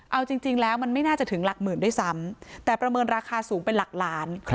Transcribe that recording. เอาจริงแล้วมันไม่น่าจะถึงหลักหมื่นด้วยซ้ำแต่ประเมินราคาสูงเป็นหลักล้าน